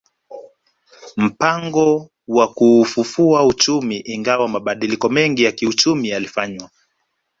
Mpango wa kuufufua uchumi Ingawa mabadiliko mengi ya kiuchumi yalifanywa